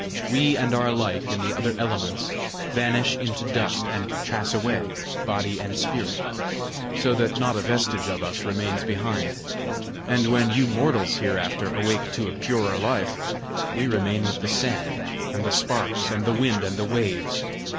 We and our like in the other elements, vanish into dust and pass away, body and spirit, so that not a vestige of us remains behind; and when you mortals hereafter awake to a purer life, we remain with the sand and the sparks and the wind and the waves.